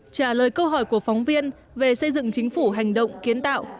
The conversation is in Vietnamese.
trả lời câu hỏi của phóng viên về xây dựng chính phủ hành động kiến tạo